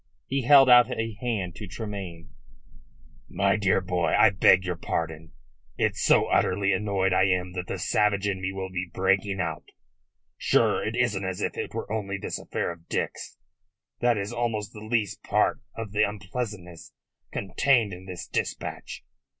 He held out a hand to Tremayne. "My dear boy, I beg your pardon. It's so utterly annoyed I am that the savage in me will be breaking out. Sure, it isn't as if it were only this affair of Dick's. That is almost the least part of the unpleasantness contained in this dispatch.